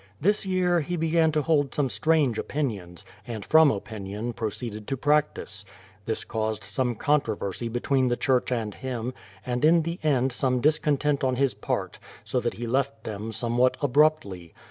This year he began to hold some strange opinions, and from opinion proceeded to practise. This caused some controversy between the church and him, and in the end some discontent on his part, so that he left them somewhat abruptly.